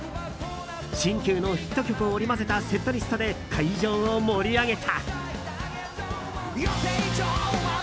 新旧のヒット曲を織り交ぜたセットリストで会場を盛り上げた。